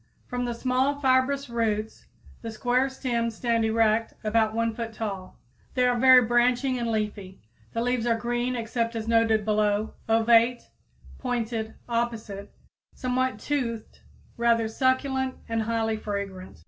_ From the small, fibrous roots the square stems stand erect about 1 foot tall. They are very branching and leafy. The leaves are green, except as noted below, ovate, pointed, opposite, somewhat toothed, rather succulent and highly fragrant.